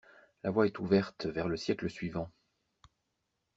La voie est ouverte vers le siècle suivant.